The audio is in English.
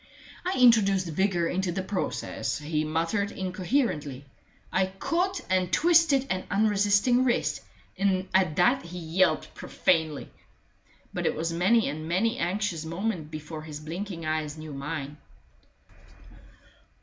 I introduced vigor into the process: he muttered incoherently. I caught and twisted an unresisting wrist and at that he yelped profanely. But it was many and many an anxious moment before his blinking eyes knew mine.